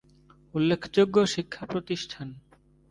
উল্লেখযোগ্য শিক্ষাপ্রতিষ্ঠান-